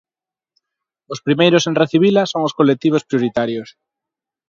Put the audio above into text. Os primeiros en recibila son os colectivos prioritarios.